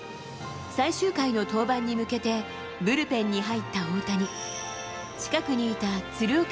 最終回の登板に向けて、ブルペンに入った大谷。